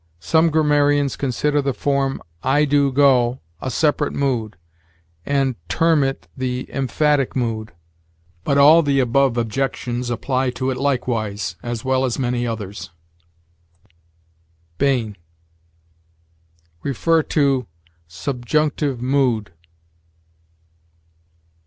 Some grammarians consider the form 'I do go' a separate mood, and term it the emphatic mood. But all the above objections apply to it likewise, as well as many others." Bain. See SUBJUNCTIVE MOOD.